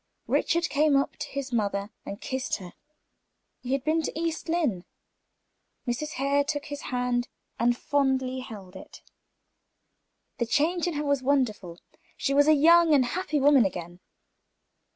Richard came up to his mother, and kissed her. He had been to East Lynne. Mrs. Hare took his hand and fondly held it. The change in her was wonderful; she was a young and happy woman again.